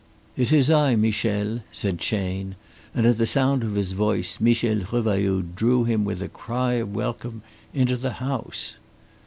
"It is I, Michel," said Chayne, and at the sound of his voice Michel Revailloud drew him with a cry of welcome into the house.